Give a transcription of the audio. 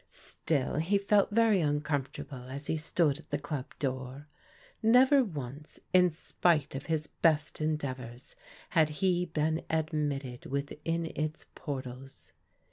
Still he felt very uncomfortable as he stood at the club door. Never once, in spite of his best endeavours, had he been admitted within its portals.